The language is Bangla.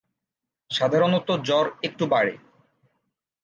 সাধারণত জ্বর একটু বাড়ে।